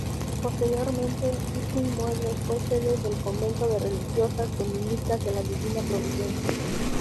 Posteriormente, dicho inmueble fue sede del convento de Religiosas Dominicas de la Divina Providencia.